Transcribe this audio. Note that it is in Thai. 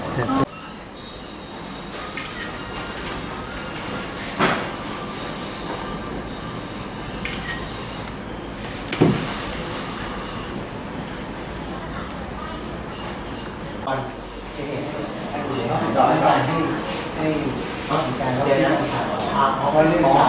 ชอบอยู่โจ้